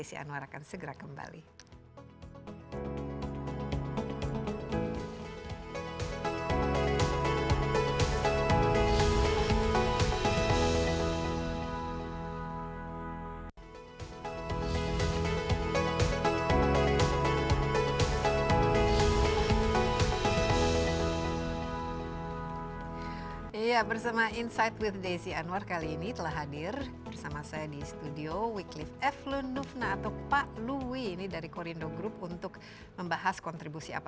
insight with desy anwar akan segera kembali